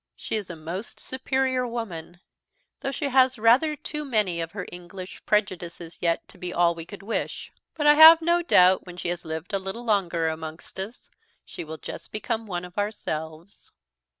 She is a most superior woman, though she has rather too many of her English prejudices yet to be all we could wish; but I have no doubt, when she has lived a little longer amongst us, she will just become one of ourselves."